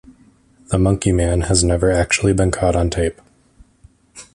The monkey man has never actually been caught on tape.